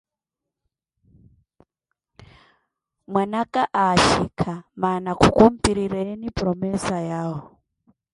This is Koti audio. Mwana aka axhikha mana khukumpirireeni promesa yawo.